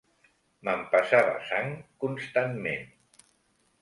M'empassava sang constantment